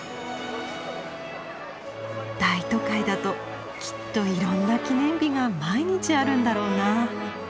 大都会だときっといろんな記念日が毎日あるんだろうな。